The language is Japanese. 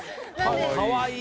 かわいい。